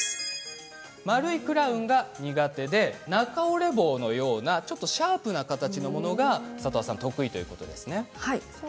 丸いクラウンが苦手で中折れ帽のようなシャープな形のものが得意ということですね。